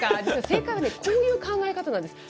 正解はこういう考え方なんです。